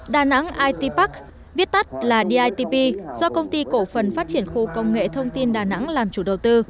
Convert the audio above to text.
đà nẵng itpac viết tắt là ditp do công ty cổ phần phát triển khu công nghệ thông tin đà nẵng làm chủ đầu tư